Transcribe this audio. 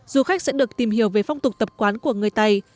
du khách sẽ được tìm hiểu về phong tục tập quán của người tây